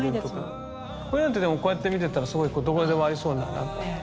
これなんてでもこうやって見てたらすごいどこにでもありそうな。